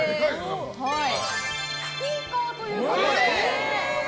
スピーカーということで。